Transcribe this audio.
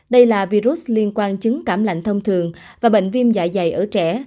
đây là virus liên quan trứng cảm lạnh thông thường và bệnh viêm dạ dày ở trẻ